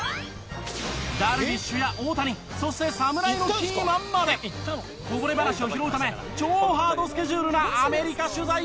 ダルビッシュや大谷そして侍のキーマンまでこぼれ話を拾うため超ハードスケジュールなアメリカ取材を敢行！